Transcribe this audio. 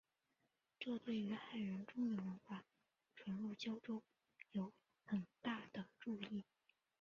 这对于汉人中原文化传入交州有很大的助益。